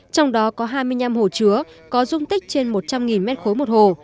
trong đó có hai mươi năm hồ chứa có dung tích trên một trăm linh m ba một hồ